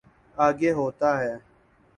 آگے ہوتا ہے۔